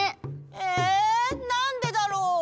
えなんでだろう？